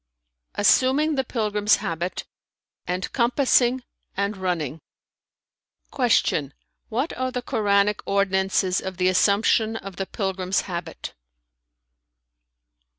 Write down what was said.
"Assuming the pilgrim's habit and compassing and running." Q "What are the Koranic ordinances of the assumption of the pilgrim's habit?"